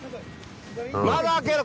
窓開けろ！